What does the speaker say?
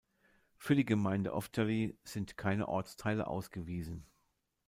Für die Gemeinde Ovčáry sind keine Ortsteile ausgewiesen.